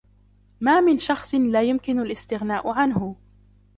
ما من شخص لا يمكن الاستغناء عنه.